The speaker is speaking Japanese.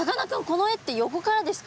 この絵って横からですか？